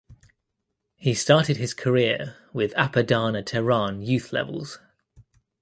He started his career with Apadana Tehran youth levels.